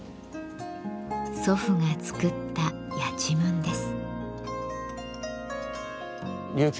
祖父が作ったやちむんです。